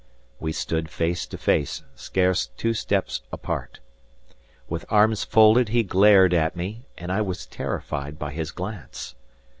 We stood face to face scarce two steps apart. With arms folded, he glared at me, and I was terrified by his glance.